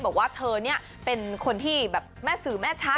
บอกว่าเธอเนี่ยเป็นคนที่แบบแม่สื่อแม่ช้า